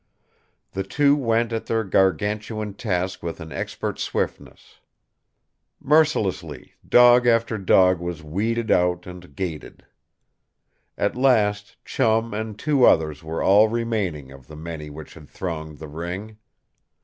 The two went at their Gargantuan task with an expert swiftness. Mercilessly, dog after dog was weeded out and gated. At last, Chum and two others were all remaining of the many which had thronged the ring.